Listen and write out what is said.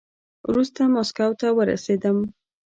وروسته ماسکو ته ورسېدم.